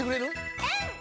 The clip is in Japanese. うん！